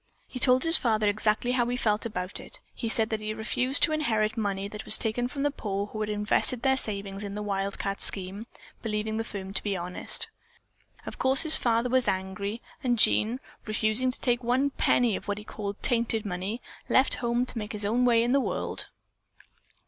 He told his father exactly how he felt about it. He said that he refused to inherit money that was taken from the poor who had invested their savings in the wildcat scheme, believing the firm to be honest. Of course his father was angry, and Jean, refusing to take one penny of what he called 'tainted' money, left home to make his own way in the world.